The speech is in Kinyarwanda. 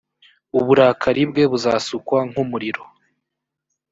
uburakari bwe buzasukwa nk umuriro